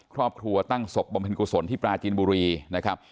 ครอบครัวตั้งศพบำเพ็ญกุศลที่ปลาจีนบุรีนะครับ